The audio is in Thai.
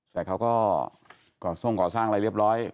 แต่เขาก็ก่อทรงก่อสร้างอะไรเรียบร้อย